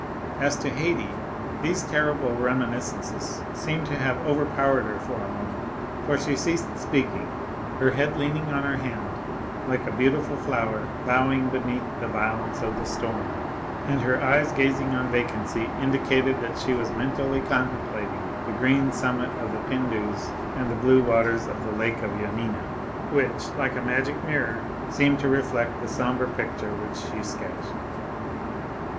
As to Haydée, these terrible reminiscences seemed to have overpowered her for a moment, for she ceased speaking, her head leaning on her hand like a beautiful flower bowing beneath the violence of the storm; and her eyes gazing on vacancy indicated that she was mentally contemplating the green summit of the Pindus and the blue waters of the lake of Yanina, which, like a magic mirror, seemed to reflect the sombre picture which she sketched.